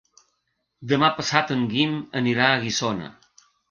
Demà passat en Guim anirà a Guissona.